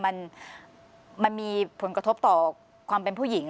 มันมีผลกระทบต่อความเป็นผู้หญิง